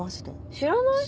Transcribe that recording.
知らない。